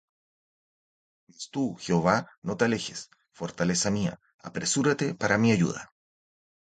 Mas tú, Jehová, no te alejes; Fortaleza mía, apresúrate para mi ayuda.